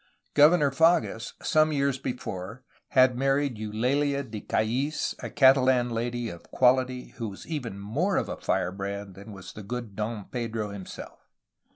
Governor Fages, some years before, had married Eulalia de Callis, a Catalan lady of quality who was even more of a firebrand than was the good Don Pedro himself.